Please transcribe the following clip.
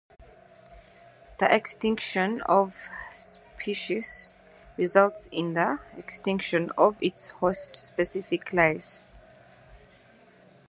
The extinction of a species results in the extinction of its host-specific lice.